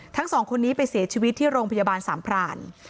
ทั้งสองคนนี้ไปเสียชีวิตที่โรงพยาบาลสามพราน